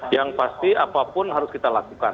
yang pasti apapun harus kita lakukan